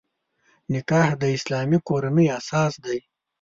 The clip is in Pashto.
نکاح د اسلامي کورنۍ اساس دی.